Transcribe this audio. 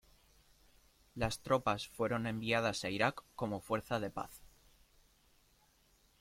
Las tropas fueron enviadas a Irak como fuerza de paz.